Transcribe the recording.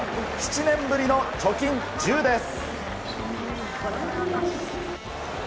７年ぶりの貯金１０です。